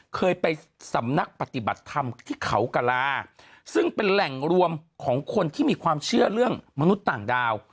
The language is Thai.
เคยไปสำนักปฏิบัติธรรมที่เขากลาซึ่งเป็นแหล่งรวมของคนที่มีความเชื่อเรื่องมนุษย์ต่างดาว